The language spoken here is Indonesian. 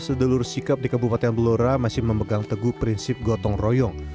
segelurus sikep di kebupaten belora masih memegang teguh prinsip gotong royong